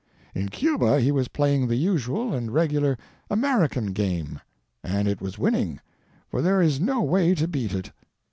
In Cuba, he was playing the usual and regular Ameri can game, and it was winning, for there is no way to beat it.